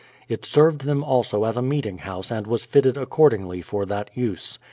It served them also as a meeting house and was fitted accordingly for that use.